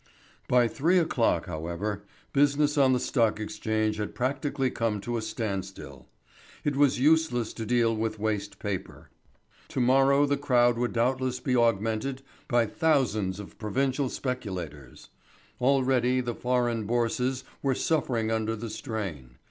By three o'clock, however, business on the Stock Exchange had practically come to a standstill. It was useless to deal with waste paper. To morrow the crowd would doubtless be augmented by thousands of provincial speculators. Already the foreign Bourses were suffering under the strain.